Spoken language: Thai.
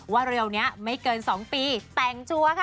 เร็วนี้ไม่เกิน๒ปีแต่งชัวร์ค่ะ